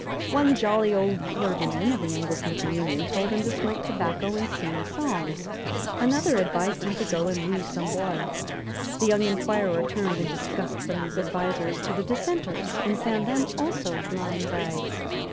One jolly old clergyman of the Anglican communion told him to smoke tobacco and sing psalms; another advised him to go and lose some blood. The young inquirer turned in disgust from these advisers to the Dissenters, and found them also blind guides.